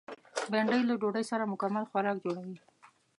بېنډۍ له ډوډۍ سره مکمل خوراک جوړوي